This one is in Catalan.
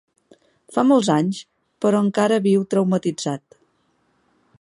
Fa molts anys, però encara viu traumatitzat.